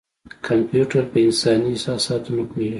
کمپیوټر د انساني احساساتو نه پوهېږي.